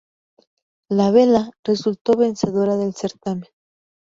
La Vella resultó vencedora del certamen.